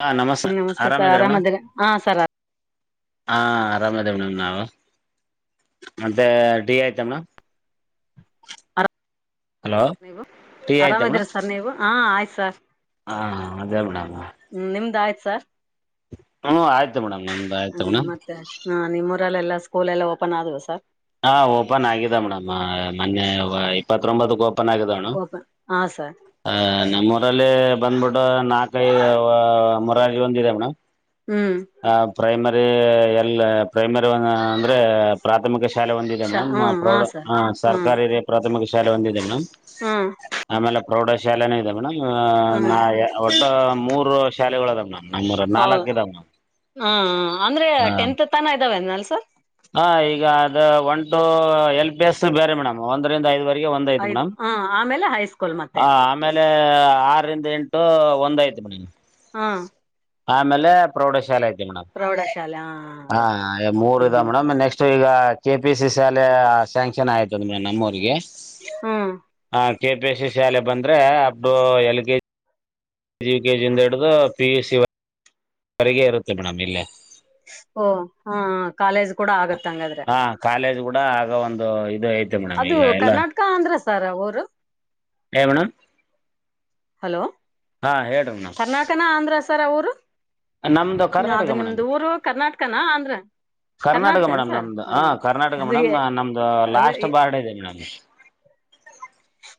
ಹಾ ನಮಸ್ ಸರ್ ನಮಸ್ತೆ ಆರಾಮ್ ಸರ್ ಇದ್ರೇನು. ಆರಾಮದಿರ ಹಾ ಸರ್ ಹಾ ಆರಾಮ್ ಇದವಿ ನಾವು ಮತ್ತೆ ಟೀ ಆಯ್ತೇನು. ಆರಾಮ. ಹಲೋ ನೀವು ಟೀ ಆಯ್ತೇನು. ಆರಾಮದಿರಿ ಸರ್ ನೀವು ಹಾ ಆಯ್ತ್ ಸರ್ ಹಾ ನ ಹಗ್ಗಲ್ ನನ್ನ ಹ್ಮ್ ನಿಮ್ದ್ ಆಯ್ತ್ ಸರ್ ಹ್ಮ್ ಆಯ್ತು ಮೇಡಮ್, ನಮ್ದು ಆಯ್ತು ಹ್ಮ್ ಮೇಡಮ್ ಮತ್ತೆ ಹ್ಮ ನಿಮ್ಮೂಊರಲ್ಲೆಲ್ಲಾ ಸ್ಕೂಲ್ ಎಲ್ಲ ಓಪನ್ ಆದ್ವಾ ಸರ್. ಹಾ ಓಪನ್ ಆಗಿದೆ ಮೇಡಮ್ ಮೊನ್ನೆ ಇಪ್ಪತ್ತೊಂಬತ್ತುಕೆ ಓಪನ್ ಆಗಿದೆ ಮೇಡಂ ಓಪನ್ ಹಾ ಸರ್ ಆ ನಮ್ಮೂರಲ್ಲಿ. ಬಂದ್ಬಿಟ್ಟು ನಾಲ್ಕು ಮುರಾಜಿ ಒಂದ್ ಇದೆ ಮೇಡಮ್ ಹ್ಮ್ ಹಾ ಪ್ರೈಮರಿ. ಎಲ್ಲ ಪ್ರೈಮರಿ ಅವನ ಅಂದ್ರೆ ಪ್ರಾಥಮಿಕ ಶಿ ಶಾಲೆ ಒಂದಿದೆ ಶ ಮೇಡಮ್ ಹ್ಮ್ ಹಾ ಪ್ರೌಢ ಸರ್ ಸರ್ಕಾರಿ ಹಿರಿಯ ಪ್ರಾಥಮಿಕ ಶಾಲೆ ಒಂದಿದೆ ಮೇಡಂ. ಹ್ಮ ಪ್ರೌಢಶಾಲೆನೂ ಇದೆ ಮೇಡಮ್, ಆ ನಾಳೆಗೆ ಒಟ್ಟು ಮೂರು ಶಾಲೆಗಳು ಅದಾವ್ ಮಾಮ್ ನಮ್ಮೂರ ನಾಲ್ಕು ಇದಾವೆ ಮೇ ಹಾ ಅಂದ್ರೆ ಟೆಂತ್ ತನ ಇದ್ದಾವೆಂದಲ್ಸರ್. ಹ ಈಗ ಅದು one two L P S ಬೇರೆ ಮೇಡಮ್ ಒಂದರಿಂದ ಐವತ್ತು ಇದು ಒಂದ್ ಆಯ್ತು ಐದು ಮೇಡಮ್ ಹ ಆಮೇಲೆ ಹೈಸ್ಕೂಲ್ ಮತ್ತೆ ಹ ಆಮೇಲೆ, ಆರಿಂದ ಎಂಟು ಒಂದಾಯ್ತು ಮ್ಮಮ್ಮಿಂಗ್. ಹಾಂ ಆಮೇಲೆ ಪ್ರೌಢಶಾಲೆ ಐತಿ ಮೇಡಮ್ ಪ್ರೌಢಶಾಲೆ ಹಾ ಅದೇ ಹ ಮೂರ್ ಇದೆ ಹ್ಮ್ ಮೇಡಮ್ ನೆಕ್ಸ್ಟ್ ಕೆಪಿ ಸಿ ಶಾಲೆ ಸ್ಯಾಂಕ್ಷನ್ ಆಗೈತೆ ಮೇಡ್ಂ ನಮ್ಮೂರಿಗೆ. ಹಾ ಹಾಂ ಕೆ ಪಿ ಎಸ್ ಸಿ ಶಾಲೆ ಬಂದರೆ ಅದು ಎಲ್ ಕೆ ಜಿ ಯುಕೆಜಿಯಿಂದ ಹಿಡ್ದು ಪಿ ಯು ಸಿವರೆಗೆ ಇರುತ್ತೆ ಮೇಡಮ್ ಇಲ್ಲೇ. ಓ ಹಾ ಕಾಲೇಜ್ ಕೂಡ ಆಗತ್ತೆ ಹಾ ಕಾಲೇಜ್ ಕೂಡ ಆಗ ಒಂದು ಇದು ಐತೆ ಮೇಡಮ್ ಅದು ಈಗ ಕರ್ನಾಟಕ ಅಂದರ ಸಸರ್ ಊರು ಏನ್ ಮ್ಯಾಡಮ್ ಹಲೋ ಕರ್ನಾಟನ ಆಂಧ್ರ ಸರ್ ಅವರು ನಮ್ದು ಅದು ಕರ್ನಾಟಕ ನಿಮ್ದ ಮೇಡಮ್ ಊರು ಕರ್ನಾಟಕನ ಅಂದ್ರ ಕರ್ನಾಟಕ ಮೇಡಮ್ ನಮ್ದು ಹ ಕರ್ನಾಟಕ ಅದೇ ಮೇಡಮ್ ನಮ್ದು ಅದೇ ಲಾಸ್ಟ್ ಬಾರ್ಡ ಇದೆ ಮೇಡಮ್ [inaudible]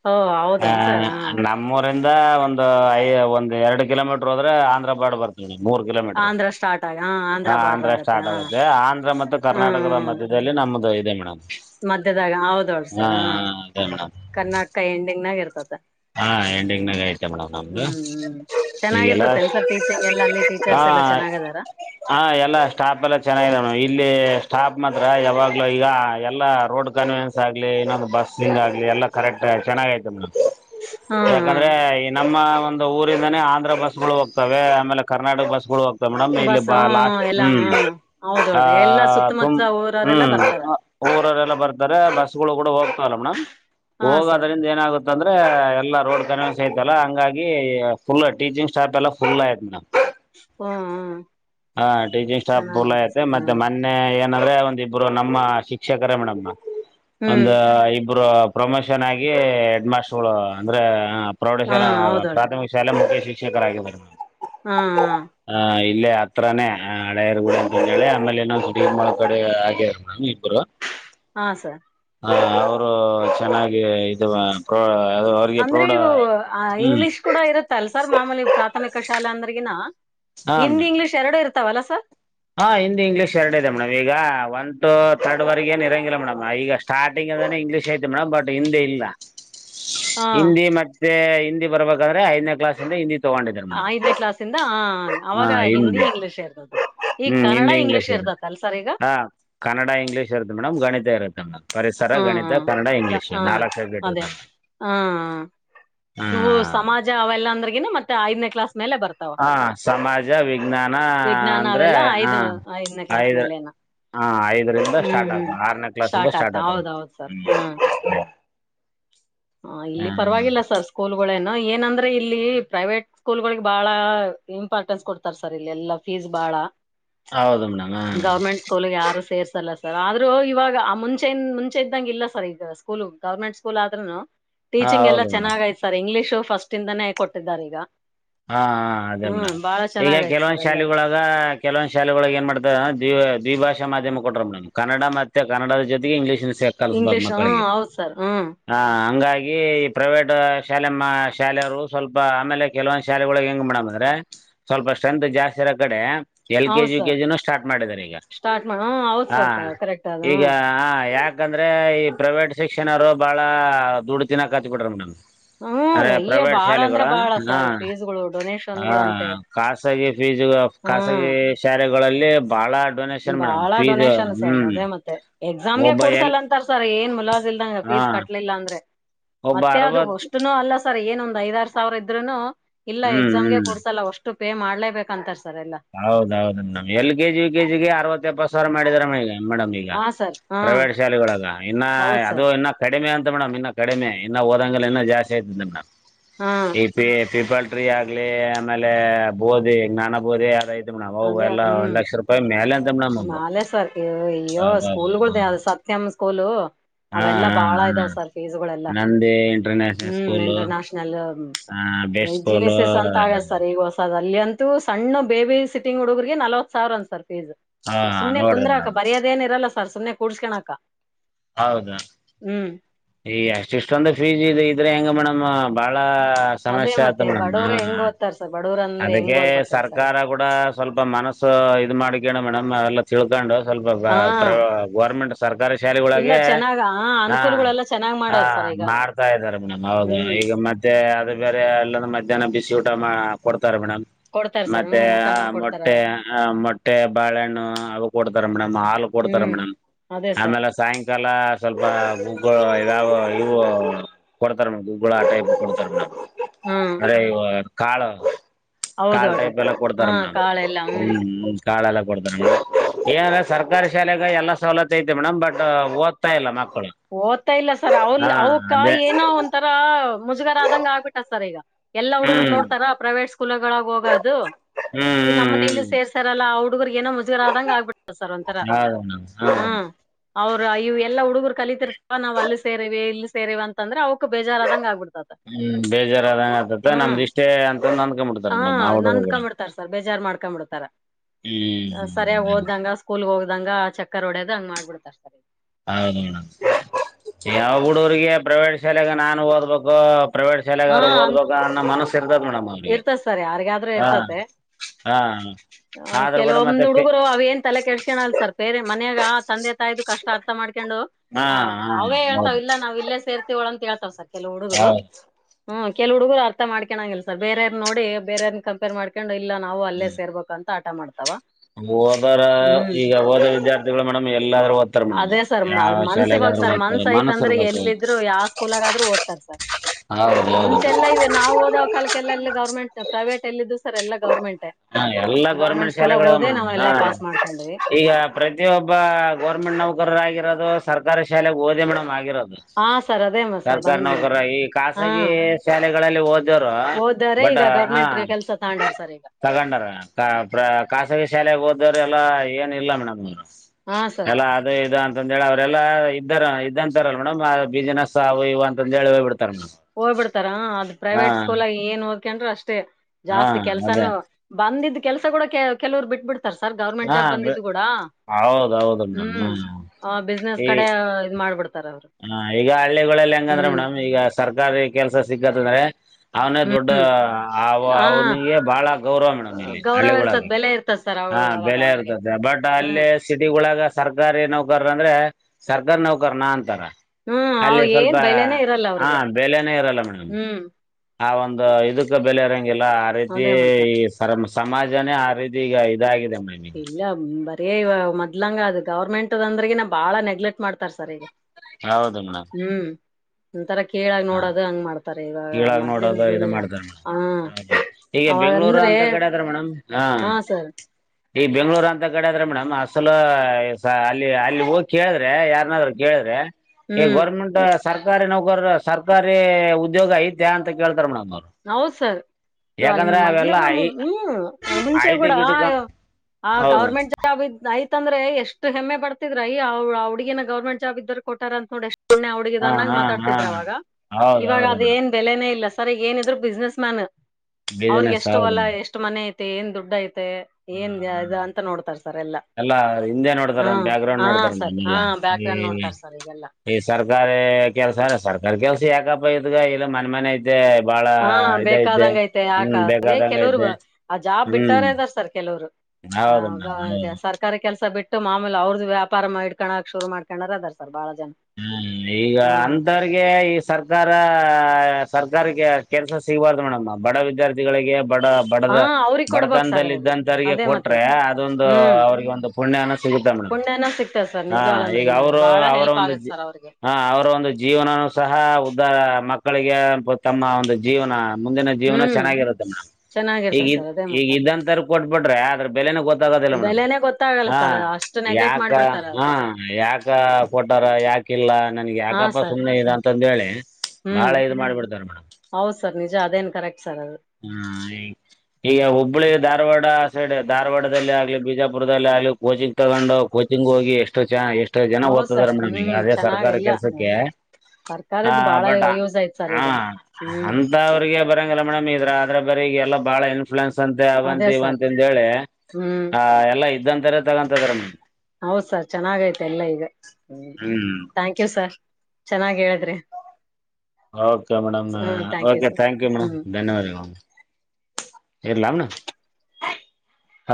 ಹ ಹೌದೇನ್ ಸರ್ ನಮ್ಮೂರಂದ ಒಂದು ಐ ಒಂದ ಎರಡು ಕಿಲೋಮೀಟರ್ ಹೋದ್ರೆ ಆಂಧ್ರ ಬಾರ್ಡ್ ಬರ್ತಡ ಮೂರ್ ಕಿಲೋಮೀಟರ್ ಆಂಧ್ರ ಸ್ಟಾರ್ಟ್ ಆಗ ಹ ಬಾರ್ಡ್ರ ಆಂಧ್ರ ಆಗತ್ತೆ ಸ್ಟಾರ್ಟ್ ಹ ಆಗುತ್ತೆ ಆಂಧ್ರ ಮತ್ತು ಕರ್ನಾಟಕದ ಮಧ್ಯದಲ್ಲಿ ನಮ್ದು ಇದೆ ಮೇಡಮ್ ಮಧ್ಯ್ಯದಾಗ ಹೌದ್ ಹಾ ಹೊರ್ಸರ್ ಹ ಅದೇ ಮೇಡಮ್ ಕರ್ನಾಟಕ ಎಂಡಿಂಗ್ನಾಗ ಇರ್ತದ ಹಾ ಎಂಡಿಂಗ್ನಾಗ ಐತೆ ಮೇಡಮ್ ನಮ್ದು ಹ್ಮ್ ಹ್ಮ್ ಹಗೆಲ್ಲ ಚೆನ್ನಾಗಿರ್ತತೆೇನ್ ಸರ್ ಟೀಚಿಂಗ್ ಎಲ್ಲ ಅಲ್ಲಿ ಹಾ ಟೀಚರ್ಸ್ ಎಲ್ಲಾ ಚೆನ್ನಾಗದಾರ ಹ ಎಲ್ಲ ಸ್ಟಾಫ ಎಲ್ಲ ಚೆನ್ನಾಗಿದೆ ಮೇಡಮ್ ಇಲ್ಲಿ ಸ್ಟಾಫ್ ಮಾತ್ರ ಯಾವಾಗ್ಲೂ ಈಗ ಎಲ್ಲ ರೋಡ್ ಕನ್ವಿನನ್ಸ್ ಆಗಲಿ ಇನ್ನೊಂದು ಬಸ್ಸಂಗ್ ಆಗಲಿ ಎಲ್ಲ ಕರೆಕ್ಟ್ ಆ ಚೆನ್ನಾಗಾಯ್ತು ಮೇಡಮ್ ಹ್ಮ್ ಯಾಕಂದ್ರೆ ಈ ನಮ್ಮ ಒಂದು ಒ ಊರಿಂದನೇ ಆಂಧ್ರ ಬಸ್ ಗಳು ಹೋಗ್ತವೆ ಆಮೇಲೆ ಕರ್ನಾಟಕ ಬಸ್ ಗಳು ಹೋಗ್ತವೆ ಮೇಡಮ್ ಇಲ್ಲಿ ಬಸ್ ಬ ಹ ಲಾಸ್ಟ್ ಎಲ್ಲಾ ಹ್ಮ್ ಹ ಆ ಹೌದೋಡ್ರಿ ಎಲ್ಲಾ ತು ಸುತ್ತಮುತ್ತಲ ಹ್ಮ ಊರವರೆಲ್ಲಾ ಬರ್ತಾರ ಊರರೆಲ್ಲ ಬರ್ತಾರೆ ಬಸ್ಗಳು ಕೂಡ ಹೋಗ್ತಲ್ಲ ಮೇಡಮ್ ಹಾ ಸರ್ ಹೋಗೋದ್ರಿಂದ ಏನಾಗುತ್ತಂದ್ರೆ ಎಲ್ಲ ರೋಡ್ ಕನೆಸ್ ಐತಲ್ಲ ಹಂಗಾಗಿ ಫುಲ್ ಟೀಚಿಂಗ್ ಸ್ಟಾಫ ಎಲ್ಲ ಫುಲ್ ಆಯ್ತು ಮೇಡಮ್ ಹ್ಮ್ ಹ್ಮ್ [unintelligible] ಸ್ಟಾಫ್ ಚೆನ್ನಾಗ್ ಬಲ ಬಿಡ್ರಿ ಸರ್ ಮತ್ತ ಹ್ಮ್ ಮ ನ್ರ ಒಂದ ಇಬ್ರು ನಮ್ಮ ಶಿಕ್ಷಕರೇ ಮೇಡಮ್ಮ ಹ್ಮ್ ಒಂದ ಇ ಒಬ್ರು ಪ್ರಮೋಷನ್ ಆಗಿ [unintelligible] ಅಂದ್ರೆ ಹಾ ಪ್ರೌಢಶಾಲಾ ಹೌದೌದು ಪ್ರಾಥಮಿಕ ಶಾಲೆ ಮುಖ್ಯ ಶಿಕ್ಷಕರಾಗಿದ್ದಾರೆ ಮಾಡ್ಸಮ್ ಹಾ [inaudible] ಹಾ ಸರ್ ಹ ಅವರು ಚೆನ್ನಾಗಿ ಇದ ಅಂದ್ರೆ ಇವು ಹ್ಮ್ ಇಂಗ್ಲಿಷ್ ಕೂಡ ಇರುತ್ತ ಅಲ್ ಸರ್ ಮಾಮೂಲಿ ಪ್ರಾಥಮಿಕ ಶ ಶಾಲಾ ಅಂದ್ರಗಿನ ಹಾ ಹಿಂದಿ ಮೇಡಮ್ ಇಂಗ್ಲೀಷ್ ಎರಡು ಇರ್ತಾವಲ್ಲ ಸರ್ ಹಾ ಹಿಂದಿ ಇಂಗ್ಲೀಷ್ ಎರಡ ಇದೆ ಮೇಡಮ್ ಈಗ ಒಂದುಟು ತರ್ಡ್ ವರೆಗ ಏನ್ ಇರಂಗಿಲ್ಲ ಮೇಡಮ್ ಈಗ ಸ್ಟಾರ್ಟಿಂಗ್ ಇಂಗ್ಲಷ್ಯ್ತ ಮೇಡ್ ಬಟ್ ಹಿಂದಿ ಇಲ್ಲ ಹಾ ಹಿಂದಿ ಮತ್ತೆ ಹಿಂದಿ ಬರ್ಬೇಕಂದ್ರೆ ಐದನೇ ಕ್ಲಾಸ್ಂದ ಹಿಂದಿ ತಗೊಂಡಿದ್ದಾರೆ ಮೇಡಮ್ ಐದನೇ ಕ್ಲಾಸ್ ಇಂದ ಆ ಅವಾಗ ಹಿಂದಿ ಇಂಗ್ಲೀಷ್ ಇರ್ತದ ಈಗ ಹ್ಮ್ ಕನ್ನಡ ಹಿಂದಿ ಇಂಗ್ಲೀಷ್ ಇಂಗ್ಲಿಷ್ ಇರುತ್ತೆ ಇರ್ತತಲ್ ಸರ್ ಈಗ ಹ ಕನ್ನಡ ಇಂಗ್ಲೀಷ್ ಇರುತ್ತೆ ಮೇಡಮ್ ಗಣಿತ ಇರುತ್ತೆ ಮೇಡಮ್ ಪರಿಸರ ಹ್ಮ್ ಗಣಿತ ಹ್ಮ್ ಕನ್ನಡ ಇಂಗ್ಲಿೀಷ್ ಹ ನಾಲ್ಕು ಸಬ್ಜೆಕ್ಟ್ ಇದ ನೀವು ಸಮಾಜ ಅವೆಲ್ಲ ಅಂದ್ರಗನ ಮತ್ತೆ ಐದನೇ ಕ್ಲಾಸ್ ಮೇಲೆ ಬರ್ತಾವ ಹಾ ಸಮಾಜ ವಿಜ್ಞಾನ ವಿಜ್ಞಾನ ಅಂದ್ರೆ ಅವೆಲ್ಲ ಐದ ಹಾ ಐದನೇ ಕ್ಲಾಸ್ ಐದ ಮೇಲೆನ ಹಾ ಐದರಿಂದ ಹ್ಮ್ ಸ್ಟಾರ್ಟ್ ಆಗ ಹ್ಮ್ ಆರನೇ ಕ್ಲಾಸಿಂದ ಸ್ಟಾರ್ಟ್ ಆತ ಮೇಡಮ್ ಹೌದೌದ್ ಸರ್ ಹ್ಮ ಹ್ಮ್ ಹ ಇಲ್ಲಿ ಹ್ಮ್ ಪರವಾಗಿಲ್ಲ ಸರ್ ಸ್ಕೂಲ್ ಗಳೆ ನ ಏನಂದ್ರೆ ಇಲ್ಲಿ ಪ್ರೈವೇಟ್ ಸ್ಕೂಲ್ಗಳಿಗೆ ಬಾಳ ಇಂಪಾರ್ಟೆನ್ಸ್ ಕೊಡ್ತಾರೆ ಸರ್ ಇಲ್ಲಿ ಎಲ್ಲಾ ಫೀಸ್ ಬಾಳ ಹೌದು ಮೇಡಮ್ ಹಾ ಗೌರ್ಮೆಂಟ್ ಸ್ಕೂಲ್ಗೆ ಯಾರು ಸೇರ್ಸಲ್ಲ ಸರ್ ಆದ್ರೂ ಇವಾಗ ಆ ಮುಂಚೆ ಮುಂಚೆ ಇದ್ದಂಗ ಇಲ್ಲ ಸರ್ ಈಗ ಸ್ಕೂಲ್ ಗೌರ್ಮೆಂಟ್ ಸ್ಕೂಲ್ ಆದ್ರೂನು ಹಾ ಟೀಚಿಂಗ್ ಎಲ್ಲಾ ಹೌದು ಮೇಡಮ್ ಚೆನ್ನಾಗ ಆಯ್ತ್ ಸರ್ ಇಂಗ್ಲೀಷ್ ಫಸ್ಟ್ ಇಂದಾನೇ ಕೊಟ್ಟಿದ್ದಾರೆ ಈಗ ಹಾ ಅದೇ ಹ್ಮ್ ಮೇಡಮ್ ಬಾಳ ಈಗ ಚೆನ್ನಾಗ ಐತ್ ಸರ್ ಕೆಲವೊಂದ್ ಎಲ್ಲರೂ ಶಾಲೆಗಳಳಗ ಕೆಲವೊಂದ್ ಶಾಲೆಗಳಗ ಏನ್ ಮಾಡ್ತಾರೆ ದ ದ್ವಿಭಾಷ ಮಾಧ್ಯಮ ಕೊಟ್ಟರು ಮೇಡ್ ಕನ್ನಡ ಮೆ ಕನ್ನಡದ ಜೊತೆಗೆ ಇಂಗ್ಲೀಷ್ ಕಲ್ಸಬಕ್ ಇಂಗ್ಲಿಷ್ ಹ್ಮ ಮಕ್ಕಳಿಗೆ ಹೌದ್ ಸರ್ ಹ್ಮ್ ಹ ಹಂಗಾಗಿ ಈ ಪ್ರೈವೇಟ್ ಶಾಲೆ ಶಾಲೆಯರು ಸ್ವಲ್ಪ ಆಮೇಲೆ ಕೆಲವೊಂದು ಶಾಲೆ ಒಳ ಹೆಂಗ್ ಮಾಡ ಅಂದ್ರೆ ಸ್ವಲ್ಪ ಸ್ಟ್ರೆಂತ್ ಜಾಸ್ತಿ ಇರೋ ಕಡೆ ಎಲ್ ಕೆ ಹೌದ್ ಜಿ ಯು ಕೆ ಸರ್ ಜಿನೂ ಸ್ಟಾರ್ಟ್ ಮಾಡಿದ್ದಾರೆ ಈಗ ಸ್ಟಾರ್ಟ್ ಮಾಡ ಹ್ಮ್ ಹೌದ್ ಹಾ ಸರ್ ಕರೆಕ್ಟ್ ಅದು ಈಗ ಹ್ಮ್ ಹ ಯಾಕಂದ್ರೆ ಈ ಪ್ರೈವೇಟ್ ಶಕ್ಷ ಕ್ಷಣರು ಬಹಳ ದುಡ್ಡು ತಿನ್ನಕತ್ ಬಿಟ್ರೀ ಮೇಡಮ್ ಅರ ಹ್ಮ್ ಪ್ರೈವೇಟ್ ಬಾಳ ಅಂದ್ರ ಶಾಲೆಗಳ ಬಾಳ ಹಾ ಸರ್ ಫೀಸ್ಗಳು ಹ ಡೊನೇಷನ್ಗಳು ಅಂತೆ ಖಾಸಗಿ ಫೀಸು ಹ್ಮ್ ಖಾಸಗಿ ಶಾಲೆಗಳಲ್ಲಿ ಬಹಳ ಡೊನೇಷನ್ ಮೇಡಮ್ ಬಾಳ ಫೀಸ್ ಡೊನೇಶನ್ ಸರ್ ಹ್ಮ್ ಅದೇ ಮತ್ತೆ ಎಕ್ಸಾಮ್ಗೆ ಒಬ್ಬ ಎಲ್ ಕೂಡ್ಸಲ್ಲ ಅಂತಾರ ಸರ್ ಏನ್ ಮುಲಾಜಿಲ್ದಂಗ ಹಾ ಫೀಸ್ ಕಟ್ಲಿಲ್ಲ ಅಂದ್ರೆ ಒಬ್ಬ ಮತ್ತೆ ಅದು ಅರವತ್ ಓಷ್ಟುನ್ನು ಅಲ್ಲ ಸರ್ ಏನೊಂದ್ ಐದಾರು ಸಾವಿರ ಇದ್ರುನು ಇಲ್ಲ ಹ್ಮ್ ಎಕ್ಸಾಮ್ ಗೆ ಹ್ಮ್ ಕೂಡ್ಸಲ್ಲ ಒಷ್ಟು ಪೇ ಮಾಡ್ಲೇಬೇಕ ಅಂತಾರ್ ಸ ಹೌದೌದ madam L K G, U K G ಗೆ ಅರವತ್ತ ಎಪ್ಪತ್ತು ಸಾವಿರ ಮಾಡಿದ್ರಮ್ಮ ಈಗ ಮೇಡಮ್ ಈಗ ಹಾ ಸರ್ ಹಾ ಪ್ರೈವೇಟ್ ಶಾಲೆಗಳಾಗ ಇನ್ನ ಹೌದ್ ಅದು ಸರ್ ಇನ್ನ ಕಡಿಮೆ ಅಂ ಮೇಡಮ್ ಇನ್ನ ಕಡಿಮೆ ಇನ್ನ ಓದಂಗಲ್ಲ ಇನ್ನ ಜಾಸ್ತಿ ಆಯ್ತ ಮೇಡಮ್ ಹಾ ಈ ಪೇ ಪೀಪಲ್ ಟ್ರೀ ಆಗ್ಲಿ ಆಮೇಲೆ ಬೋಧಿ ಜ್ಞಾನ ಬೋಧಿ ಅದ ಅವು ಅದೇ ಎಲ್ಲ ಒಂದ್ ಹ್ಮ್ ಲಕ್ಷ ರೂಪಾಯಿ ಮ್ಯಾಲೆ ಅಂತ ಮೇಡಂ ನಾಲೆ ಸರ್ ಸೆಮ್ ಸ್ಕೂಲು ಅವೆಲ್ಲಾ ಬಾಳ ಇದಾವ ಹಾ ಸರ್ ಫೀಸ್ಗುಳೆಲ್ಲಾ ನಂದೇ ಇಂಟರ್ನ್ಯಾಷನಲ್ ಹ್ಮ್ ಸ್ಕೂಲು ಇಂಟರ್ನ್ಯಾಷನಲ್ ಆ ಬೆಸ್ಟ್ ಸ್ಕೂಲು ಈಜಿನಿಸಸ್ ಅಂತ ಆಗದ್ ಸರ್ ಈಗ ಹೊಸ ಅಲ್ಲಿ ಅಂತೂ ಸಣ್ಣ ಬೇಬಿ ಸಿಟಿಂಗ್ ಹುಡುಗ್ರಿಗೆ ನಲ್ವತ್ ಸಾವಿರ ಅಂತ್ ಸರ್ ಹಾ ಸುಮ್ನೆ ನೋಡ್ದೆ ಕುಂದ್ರಾಕ ಮೇಡಮ್ ಬರಿಯೋದೇನ್ ಇರಲ್ಲ ಸರ್ ಸುಮ್ನೆ ಕೂಡ್ಸ್ಕಣಕ ಹೌದಾ ಹ್ಮ್ ಈ ಅಷ್ಟಿಷ್ಟೊಂದ ಫೀಜ್ ಇದೆ ಇದ್ರೆ ಹೆಂಗ ಮೇಡಮ್ ಬಾಳ್ ಎಲ್ಲ ಅದೇ ಮತ್ತೆ ಸಮಸ್ಯಾತ ಮೇಡಮ್ ಬಡವ್ರು ಹೆಂಗ್ ಓದ್ತಾರ್ ಸರ್ ಬಡವ್ರ ಅಂದ್ರೆ ಹೆಂಗ್ ಅದಕ್ಕೆ ಓದ್ಬೇಕ್ರಿ ಸರ್ ಸರ್ಕಾರ ಕೂಡ ಸ್ವಲ್ಪ ಮನಸು ಇದ ಮಾಡ್ಕೆಂಡ್ ಮೇಡಮ್ ಅವೆಲ್ಲ ತಿಳ್ಕೊಂಡು ಸ್ವಲ್ಪ ಹಾ ಪ್ರ ಗೌರ್ಮೆಂಟ್ ಸರ್ಕಾರಿ ಶಾಲೆಗೊಳಗೆ ಹಾ ಅನುಕೂಲಗಳೆಲ್ಲ ಚೆನಾ ಹಾ ಮಾಡ್ತಾ ಇದ್ದಾರೆ ಮೇಡಮ್ ಹೌದು ಹ್ಮ್ ಈಗ ಮತ್ತೆ ಅದು ಬೇರೆ ಎಲ್ಲ ಮ ಮದ್ಯಾಹ್ನ ಬಿಸಿ ಊಟ ಮಾ ಕೊಡ್ತಾರೆ ಮೇಡಮ್ ಕೊಡ್ತಾರ ಸರ್ ಮತ್ತೆ ಹ್ಮ್ ಆ ಊಟನೂ ಕೊಡ್ತಾರ ಮೊಟ್ಟೆ ಆ ಮೊಟ್ಟೆ ಬಾಳೆಹಣ್ಣು ಅವು ಕೊಡ್ತಾರ ಮೇಡಮ್ ಹಾಲು ಕೊಡ್ತಾರ ಹ್ಮ್ ಮೇಡಮ್ ಅದೇ ಸರ್ ಆಮೇಲೆ ಸಾಯಂಕಾಲ ಸ್ವಲ್ಪ ಯಾವ ಇವು ಕೊಡ್ತಾರ ನ ಗುಗ್ಗಳ ಆ ಟೈಪ್ ಕೊಡ್ತಾರ ಮೇಡಮ್ ಹ್ಮ್ ಹಳೆ ಇವ ಕಾಳು ಕಾಳ ಹೌದ್ ನೋಡ್ರಿ ಟೈಪ್ ಎಲ್ಲ ಹಾ ಕೊಡ್ತಾರ ಮೇಡಮ್ ಕಾಳೆಲ್ಲ ಹ್ಮ್ ಹ್ಮ ಕಾಳ ಎಲ್ಲ ಕೊಡ್ತರ ಮೇಡಂ ಏನಂದ್ರ ಸರ್ಕಾರಿ ಶಾಲ್ಯಾಗೆ ಎಲ್ಲ ಸವಲತ್ತ ಐತಿ ಮೇಡಮ್ ಬಟ್ ಓದ್ತಾ ಇಲ್ಲ ಮಕ್ ಓದ್ತಾ ಇಲ್ಲ ಸರ್ ಅವಲ್ ಅವಕ ಅದೇ ಏನೋ ಒಂಥರಾ ಮುಜುಗರ ಆದಂಗ ಆಗ್ಬಿಟ್ಟದ್ ಸರ್ ಈಗ ಎಲ್ಲ ಹುಡುಗರು ಹ್ಮ್ ನೋಡ್ತಾ ಪ್ರೈವೇಟ್ ಸ್ ಸ್ಕೂಲಗಳಗ್ ಹೋಗೋದು ನಮ್ಮನ ಹ್ಮ್ ಇಲ್ಲಿ ಹ್ಮ್ ಸೇರ್ಸಾರಲ್ಲ ಹುಡುಗರ್ಗ ಏನೋ ಮುಜುಗರ ಆದಂಗ ಆಗ್ಬಿತ ಸರ್ ಒಂಥರ ಹ್ಮ್ ಹೌದು ಮೇಡಮ್ ಹ್ಮ ಹೌದು ಅವರು ಇ ಎಲ್ಲಾ ಹುಡುಗರು ಕಲಿತಿರ್ತವ ನಾವ ಅಲ್ಲಿ ಸೇರಿವೆ ಇಲ್ಲಿ ಸೇರಿವ ಅಂತಂದ್ರೆ ಅವ ಬೇಜಾರದಂಗ ಆಗ್ಬಿಡ್ತದ ಹ್ಮ್ ಬೇಜಾರಾದಂಗ ಆತತ್ತ ಹೂಂ ನಮ್ದ್ ಇಷ್ಟೇ ಅಂತಂದ ಹ ಅಂದ್ಕೊಂಬಿಡ್ತಾರ ಮೇಡಮ್ ಆ ನನ್ ಹುಡುಗರು ಕೂಡ ಡ್ತಾರ ಸರ್ ಬೇಜಾರ್ ಮಾಡ್ಕೊಂಡ್ ಬಿಡ್ತಾರ ಹ್ಮ್ ಸರಿಯಾಗಿ ಹ್ಮ್ ಓದ್ದಂಗ ಸ್ಕೂಲ್ ಹೋ ದಂಗ ಚಕ್ಕರ್ ಒಡೆದ ಹಂಗ್ ಮಾಡ್ಬಿಡ್ತಾರ್ ಸರ್ ಹೌದ ಮೇಡಮ್ ಯಾವ ಹುಡುಗ್ರಿಗೆ ಪ್ರೈವೇಟ್ ಶಾಲೆೆಗೆ ನಾನು ಓದ್ಬೇಕು ಪ್ರೈವೇಟ್ ಹಾ ಶಾಲ್ಯಾಗರ ಅಂತ ಓದಬೇಕ ಅನ್ನ ಮನಸ್ ಸಿರ್ದತ್ ಮೇಡಮ್ ಅವ್ರಿಗೆ ಇರ್ತತ್ ಸರ್ ಯಾರಿಗಾದ್ರೂ ಹಾ ಇರ್ತತೆ ಹಾ ಆದ್ರೂ ಕೂಡ ಕೆಲವೊಂದ್ ಮತ್ತೆ ಪೆ ಹುಡುಗುರು ಅವೇನ್ ತಲೆ ಕೆಡ್ಸಗೆಣಲ್ ಸರ್ ಬೇರೆ ಮನ್ಯಾಗ ತಂದೆ ತಾಯ್ದು ಕಷ್ಟ ಅರ್ಥ ಮಾಡ್ಕೊಂಡು ಹಾ ಆ ಹಾ ಅವೇ ಹೇಳ್ತಾವ ಹೌದು ಇಲ್ಲ ನಾವ್ ಇಲ್ಲೇ ಸೇರ್ತಿವಳಂತ ಕೇಳ್ತವ ಸರ್ ಕೆಲ ಹುಡುಗುರು ಹೌದು ಹ್ಮ್ ಕೆಲವ ಹುಡುಗುರು ಅರ್ಥ ಮಾಡ್ಕಣಂಗಿಲ್ ಸರ್ ಬೇರೆಯವರು ನೋಡಿ ಬೇರೆಯವ್ರ ಕಂಪೇರ್ ಮಾಡ್ಕೊಂಡು ಇಲ್ಲ ನಾವು ಅಲ್ಲೇ ಸೇರ್ಬೇಕು ಅಂತ ಹಠ ಮಾಡ್ತಾವ ಓದರ ಹ್ಮ್ ಈಗ ಓದ ವಿದ್ಯಾರ್ಥಿಗಳು ಮೇಡಮ್ ಎಲ್ಲಾದ್ರೂ ಓದ್ತಾರ ಮೇಡಮ್ ಯಾವ ಶಾಲ ಇಗ ಸರ್ ಮನ್ಸ್ ಐತ ಅಂದ್ರೆ ಎಲ್ಲ ಇದ್ರು ಯಾವ ಸ್ಕೂಲಾಗ ಆದ್ರೂ ಓದ್ತಾರ ಸರ್ ಹೌದು ಹೌದು ಮುಂಚೆಲ್ಲ ಇವ ನಾವು ಓದವ ಕಾಲಕ್ಕೆಲ್ಲ ಎಲ್ಲ ಗೌರ್ಮೆಂಟ್ ಪ್ರೈವೇಟ್ ಎಲ್ಲಿದ್ದು ಸರ್ ಎಲ್ಲ ಗೌರ್ಮೆಂಟ್ ಹಾ ಎಲ್ಲಾ ಗೌರ್ಮೆಂಟ್ ಸ್ಕೂಲಾಗ ಶಾಲೆಗಳೆ ಓದೇ ಮೇಡಂ ಹಾ ನಾವೆಲ್ಲಾ ಪಾಸ್ ಮಾಡ್ಕೊಂಡ್ವಿ ಈಗ ಪ್ರತಿಯೊಬ್ಬ ಗೌರ್ಮೆಂಟ್ ನೌಕರರ ಆಗಿರೋದು ಸರ್ಕಾರಿ ಶಾಲ್ಯಾಗ ಓದಿ ಮೇಡಮ್ ಆಗಿರೋದು ಹಾ ಸರ್ ಅದೇ ಸರ್ ಸರ್ಕಾರಿ ಬಂದ್ ನೌಕರರಾಗಿ ಈ ಹಾ ಖಾಸಗಿ ಶಾಲೆಗಳಲ್ಲಿ ಓದ್ದರು ಓದಾರೆ ಈಗ ಗೌರ್ಮೆಂಟ್ ಗೆ ಕೆಲಸ ತಗೊಂಡರ್ ಸರ್ ಈಗ ತಗೊಂಡಾರ ಪ್ರ ಖಾಸಗಿ ಶಾಲೆಗೆ ಹೋದವ್ರ ಎಲ್ಲಾ ಏನ್ ಇಲ್ಲ ಮೇಡಮ್ರು ಹಾ ಸರ್ ಎಲ್ಲ ಅದು ಇದು ಅಂತಂದೇಳಿ ಅವ್ರ ಎಲ್ಲ ಇದ್ದಾರ ಇದಂತಾರಲ್ಲ ಮೇಡಮ್ ಬಿಸಿನೆಸ್ವು ಇವ ಅಂತ ಹೇ್ಬಡ್ತ ಹೋಗ್ಬಿಡ್ತಾರ ಅದ ಪ್ರೈವೇಟ್ ಸ್ಕೂಲ್ಗ ಏನ್ ಹೋಗ್ಕನ್್ರ ಅಷ್ಟೇ ಹಾ ಜಾಸ್ತಿ ಅದೇ ಕೆಲ್ಸಾನು ಬಂದಿದ್ದ ಕೆಲ್ಸ ಕೂಡ ಕೆಲವರು ಬಿಟ್ಬಿಡ್ತ ರ್ ಸರ್ ಗೌರ್ಮೆಂಟ್ ಹಾ ಜಾಬ್ ಬಂದಿದ್ದ್ರು ಕೂಡ ಹೌದೌದು ಮೇಡಮ್ ಹ್ಮ್ ಆ ಬಿಸ್ನೆಸ್ ಈ ಕಡೆ ಇದ್ ಮಾಡ್ಬಿಡ್ತ ಹ ಈಗ ಹಳ್ಳಿಗಳಲ್ಲಿ ಹೆಂಗಂದ್ರ ಮೇಡಮ್ ಈಗ ಸರ್ಕಾರಿ ಕೆಲ್ಸ ಸಿಕ್ಕತ್ ಅಂದ್ರೆ ಅವನೇ ದೊಡ್ಡ ಅವ ಆ ಅವನಿಗೆ ಬಾಳ ಗೌರವ ಮೇಡಮ್ ಇಲ್ಲಿ ಗೌರವ ಇರ್ತದ ಹಳ್ಳಿಗಳಲ್ಲ ಬೆಲೆ ಇರ್ತದ ಸರ್ ಅವ ಹಾ ಅವಾಗ ಬೆಲೆ ಅವ್ರಿಗೆ ಇರ್ತದೆ ಬಟ್ ಹ್ಮ್ ಅಲ್ಲೇ ಸಿಟಿ ಳಗ ಸರ್ಕಾರಿ ನೌಕರ ಅಂದ್ರೆ ಸರ್ಕಾರಿ ನೌಕರನ ಅಂತಾರ ಹ್ಮ್ ಅವ್ ಅಲ್ಲಿ ಸ್ವಲ್ಪ ಏನ್ ಬೆಲೆನೇ ಇರಲ್ಲ ಹಾ ಅವ್ರಿಗೆ ಬೆಲೆನೇ ಇರಲ್ಲ ಮೇಡಮ್ ಹ್ಮ್ ಆ ಒಂದು ಇದಕ್ಕ ಬೆಲೆ ಇರಂಗಿಲ್ಲ ಆ ರೀತಿ ಅದೇ ಮತ್ತ ಈ ಸರ ಸಮಾಜನೇ ಆ ರೀತಿ ಈಗ ಇದಾಗಿದೆ ಮೇಡಮ್ ಈಗ ಇಲ್ಲಂಬ ಅೇ ಇವ ಮದ್ಲಂಗ ಅದು ಗೌರ್ಮೆಂಟ್ ಅಂದ್ರಗ ನ ಬಾಳ ನೆಗ್ಲೆಕ್ಟ್ ಮಾಡ್ತಾರ ಸರ್ ಈಗ ಹೌದು ಮೇಡಂ ಹ್ಮ್ ಒಂತರ ಕೇಳಾಗ ನೋಡದು ಹಂಗ್ ಮಾಡ್ತಾರೆ ಇವಾಗ ಕೀಳಾಗ ನೋಡೋದು ಇದು ಮೊ್ಿಂದ ಮಾಡ್ತಾರೆ ಮೇಡಮ್ ಹ ಹೌದು ಈಗ ಬೆಂಗ್ಗಳೂರು ಅಂತ ಕಡೆ ಅದ್ರ ಮೇಡಮ್ ಹಾ ಈ ಬೆಂಗಳೂರು ಅಂತ ಕಡೆ ಆದದ್ರೆ ಮೇಡಮ್ ಅಸಲ ಸ ಅಲ್ಲಿ ಅಲ್ಲಿ ಹೋಗಿ ಕೇಳಿದ್ರೆ ಯಾರನಾದ್ರು ಕೇಳಿದ್ರೆ ಈ ಹ್ಮ್ ಗೌರ್ಮೆಂಟ್ ಸರ್ಕಾರಿ ನೌಕರ ಸರ್ಕಾರಿ ಉದ್ಯೋಗ ಐತೆ ಅಂತ ಕೇಳ್ತಾರ ಮೇಡಮ್ ಅವ್ರು ಹೌ ಸರ್ ಇವಳ ಯಾಕಂದ್ರೆ ಮದಲ ಅವೆಲ್ಲ ಕೂಡ ಐ ಹ್ಮ ಐ ಮುಂಚೆ ಕೂ ಟಿ ಬಿ ಟಿ ಕಂ ಹಾ ಹೌದು ಗೌರ್ಮೆಂಟ್ ಜಾಬ್ ಇದ ಆಯ್ ಅಂದ್ರ ಎಷ್ಟು ಹೆಮ್ಮೆ ಪಡ್ತಿದ್ರೈ ಅವ್ ಅವಡ್ಗನ ಗೌರ್ಮೆಂಟ್ ಜಾಬ್ ಇದ್ದ್ರ ಕೊಟ್ಟಾರ ಅಂತ ನೋಡ್ ಎಷ್ಟು ಪುಣಣ್ಯ ಹುಡುಗಿದ ಹಾ ಅನ್ನಾಗ ಹಾ ಹಾ ಮಾತಾಡ್ತಿದ್ರ ಅವಾಗ ಹೌದು ಇವಾಗ ಹೌದು ಅದ ಮೇಡಮ್ ಏನ್ ಬೆಲೆನೇ ಇಲ್ಲ ಸರಿ ಏನ ಬಿಸ್ನೆಸ್ ಮ್ಯಾನ್ ಅವ್ರಗೆ ಬಿಸಿನೆಸ್ ಎಷ್ಟು ಹೌದು ಹೊಲ ಮೇಡಮ್ ಎಷ್ಟು ಮನೆ ಐತೆ ಏನ್ ದುಡ್ಡ ಐತೆ ಮ ಏನ್ ಅಂತ ನೋಡ್ತಾರೆ ಸರ್ ಎಲ್ಲ ಹಿಂದೆ ಹ ನೋಡ್ತಾರ ಬ್ಯಾಕ್ ಹ ಗ್ರೌಂಡ್ ನೋಡ್ತಾರ ಸರ್ ಮೇಡಮ್ ಹ ಎಲ್ಲ ಈ ಬ್ಯಾಕ್ಂಡ್ ನೋಡ್ತಾರೆ ಸರ್ ಈಗೆಲ್ಲ ಈ ಸರ್ಕಾರಿ ಕೆಲ್ಸ ಸರ್ಕಾರಿ ಕೆಲ್ಸ ಯಾಕಪ್ಪ ಇದಗ ಇಲ್ಲ ಮನೆ ಮನೆ ಐತೆ ಬಾಳ ಹಾ ಇದೈತೆ ಬೇಕಾದಂಗ ಐತೆ ಯಾಕ ಹ್ಮ್ ಅದೇ ಬೇಕಾದಂಗ ಕೆಲವ್ ಐತೆ ಆ ಜಾಬ್ ಬಿಟ್ಟಾರ ಹ್ಮ್ ಇದದಾರ ಸರ್ ಕೆಲವ್ರು ಹೌದು ಮೇಡಮ್ ಹ ಹೌದು ಸರ್ಕಾರ ಕೆಲ್ಸ ಬಿಟ್ಟು ಮಾಮೂಲಿ ಅವ್ರದ ವ್ಯಾಪಾರ ಮಾಡ್ಕೋಕ್ ಶುರು ಮಾಡ್ಕೋಾರ ಅದ ಸರ್ ಬಾಳ ಜನ ಹ್ಮ ಈಗ ಹಾ ಅಂತ್ರಿಗೆ ಈ ಸರ್ಕಾರ ಸರ್ಕಾರಿಗೆ ಕೆಲಸ ಸಿಗಬಾರ್ದು ಮೇಡಮ್ಮ ಬಡ ವಿದ್ಯಾರ್ಥಿಗಳಿಗೆ ಬಡ ಹಾ ಬಡದ ಅವ್ರಿಗ್ ಕೊಡ್ಬೇಕ್ ಸರ್ ಬಡತನದದಲ್ಲಿ ಅವ್ರು ಇದ್ದಂತರಿಗೆ ಅದೇ ಮತ್ತೆ ಕೊಟ್ರೆ ಅದೊಂದು ಹ್ಮ್ ಅವ್ರಿಗೆ ಒಂದು ಪುಣ್ಯನ ಸಿಗ ಮೇಡಮ್ ಪುಣ್ಯನ ಸಿಗ್ತದ ಸರ್ ಹಾ ಈಗ ನಿಜವಲ್ಲಂದ್ರಗಿನ ಅದು ಅವರು ಬಾಳ ಅವರ ಹೆಲ್ಪ್ ಒಂದು ಆಗತ್ ಸರ್ ಅವ್ರಿಗೆ ಹ ಅವರ ಒಂದು ಜೀವನನುೂ ಸಹ ಉದ್ದ ಮಕ್ಕಳಿಗೆ ತಮ್ಮ ಒಂದು ಜೀವನ ಮುಂದಿನ ಜೀವನ ಹ್ಮ್ ಚೆನ್ನಾಗಿರುತ್ತೆ ಮೇಡಮ್ ಈಗ್ ಚೆನ್ನಾಗಿರ್ತದ ಸರ್ ಅದೇ ಈಗ ಮತ್ತ ಇದಂತಾರ ಕೊಟ್ಬಿಟ್ರೆ ಅದ್ರ ಬೆಲೆನೂ ಗೊತ್ತಾಗದಿಲ್ಲ ಮೇಡಮ್ ಬೆಲೆನೇ ಗೊತ್ತಾಗಲ್ಲ ಹಾ ಸರ್ ಅಷ್ಟು ನೆಗ್ಲೆಕ್ಟ್ ಯಾಕ ಮಾಡ್ಬಿಡ್ತಾರ ಅವ್ರು ಹಾ ಯಾಕ ಕೊಟಾರ ಯಾಕ ಯಕಿಲ್ಲಾ ನನ್ಗ್ ಹಾ ಯಾಕಪ್ಪ ಸರ್ ಸುಮ್ನೆ ಇ ಅಂತಂದ ಹೇಳಿ ಬಾಳ ಇದ್ ಮಾಡ್ಬಿಡ್ತಾರ ಮೇಡಮ್. ಜ ಅದೇನ್ ಕರೆಕ್ಟ್ ಸರ್ ಅದು ಹ್ಮ ಈಗ ಹುಬ್ಬಳ್ಳಿ ಧಾರವಾಡ ಸೈಡ್ ಧಾರವಾಡದಲ್ಲಿ ಆಗ್ಲಿ ಬಿಜಾಪುರದಲ್ಲಿ ಆಗ್ಲಿ ಕೋಚಿಂಗ್ ತಗೊಂಡು ಕೋಚಿಂಗ್ ಹೋಗಿ ಎಷ್ಟು ಚ ಎಷ್ಟು ಷ್ಟ ಜನ ಹೌದ್ ಓದ್ತದಾರ ಸರ್ ಮೇಡಮ್ ಈಗ ಹ್ಮ್ ಅದೇ ಚೆನ್ನಾಗ್ ಸರ್ಕಾರ ಇಲ್ಲ ಕೆಲ್ಸಕ್ಕೆ ಹ ಸರ್ಕಾರದ್ ಬಾಳ ಬಟ್ ಯೂಸ್ ಐತ್ ಸರ್ ಹ ಈಗ ಹ್ಮ್ ಅಂತವ್ರಿಗೆ ಬ ಮೇಡ್ ಇದ್ರ ಅದ್ರ ಬೇ ಈಗೆಲ್ಲ ಬಾಳ ಇನ್ಫಲಲುಯನ್ಸ್ ಸಂತೆ ಅವಂತಿ ಅದೇ ಸರ್ ಇವಂತ ಅಂದ ಹೇಳಿ ಹ್ಮ್ ಆ ಎಲ್ಲಾ ಇದ್ದಂತರ ತಗೊಂತದಾರ ಮಿ ಹೌದ ಸರ್ ಚೆನ್ನಾಗೈತೆ ಎಲ್ಲ ಈಗ ಹ್ಮ ಹ್ಮ್ ಥ್ಯಾಂಕ್ ಯು ಸರ್ ಚೆನ್ನಾಗಿ ಹೇಳಿದ್ರಿ. ಓಕೆ ಮೇಡಮ್ ಹ್ಮ್ ಕೆಓಕೇ ಸರ್ ಥ್ಯಾಂಕ್ ಯು ಮೇಡಮ್ ಹ್ಮ್ ಧನ್ಯವಾದಗಳು [unintelligible]